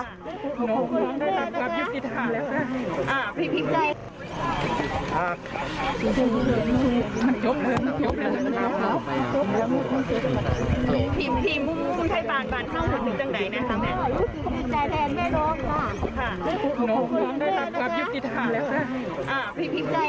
น้องน้องได้รับยุติธรรมแล้วค่ะอ่าพี่พิมพ์ใจ